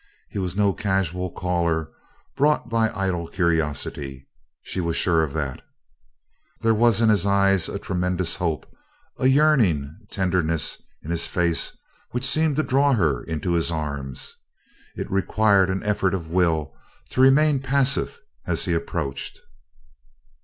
He was no casual caller brought by idle curiosity, she was sure of that. There was in his eyes a tremendous hope, and a yearning tenderness in his face which seemed to draw her into his arms. It required an effort of will to remain passive as he approached.